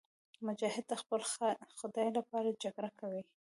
مجاهد د خپل خدای لپاره جګړه کوي.